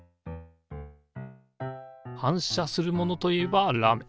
反射するものといえばラメ。